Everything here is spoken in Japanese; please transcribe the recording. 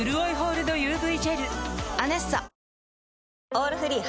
「オールフリー」